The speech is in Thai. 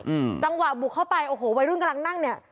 อืมจังหวะบุกเข้าไปโอ้โหวัยรุ่นกำลังนั่งเนี้ย